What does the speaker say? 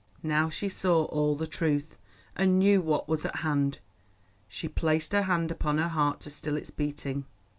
Now she saw all the truth, and knew what was at hand. She placed her hand upon her heart to still its beating.